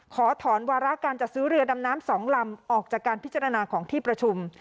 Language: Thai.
ขอถอนวาระการจัดซื้อเรือดำน้ำ๒ลำออกจากการพิจารณาของที่ประชุม